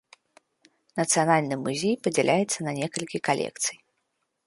Нацыянальны музей падзяляецца на некалькі калекцый.